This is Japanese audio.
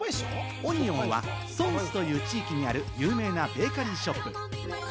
オニオンはソンスという地域にある、有名なベーカリーショップ。